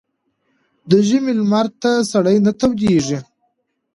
ـ د ژمي لمر ته سړى نه تودېږي.